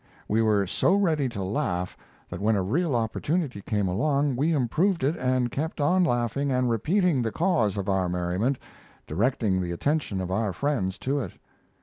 We were so ready to laugh that when a real opportunity came along we improved it and kept on laughing and repeating the cause of our merriment, directing the attention of our friends to it.